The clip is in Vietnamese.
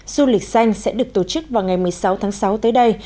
du lịch xanh sẽ được tổ chức vào ngày một mươi sáu tháng sáu tới đây